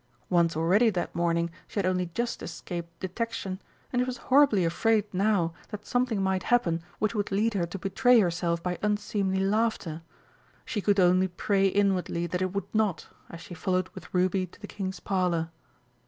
Once already that morning she had only just escaped detection, and she was horribly afraid now that something might happen which would lead her to betray herself by unseemly laughter. She could only pray inwardly that it would not, as she followed with Ruby to the King's Parlour.